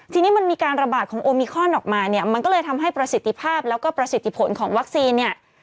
ทีนี้มันมีการระบาดของโอมิคอนออกมาเนี่ยมันก็เลยทำให้ประสิทธิภาพแล้วก็ประสิทธิผลของวัคซีนเนี่ย